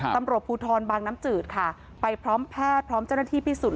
ตำรวจภูทรบางน้ำจืดค่ะไปพร้อมแพทย์พร้อมเจ้าหน้าที่พิสูจน